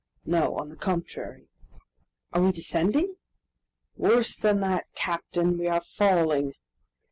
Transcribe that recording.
"No. On the contrary." "Are we descending?" "Worse than that, captain! we are falling!"